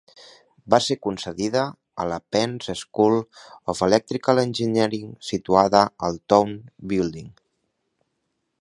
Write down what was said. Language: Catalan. Va ser concedida a la Penn's School of Electrical Engineering, situada al Towne Building.